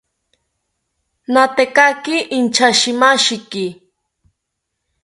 Natekaki inchashimashiki